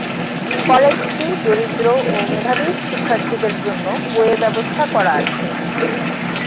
কলেজটি দরিদ্র ও মেধাবী শিক্ষার্থীদের জন্য বইয়ের ব্যবস্থা করা আছে।